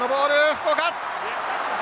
福岡。